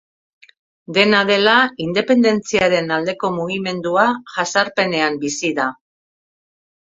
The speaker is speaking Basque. Dena dela, independentziaren aldeko mugimendua jazarpenean bizi da.